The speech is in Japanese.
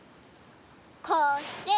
こうして。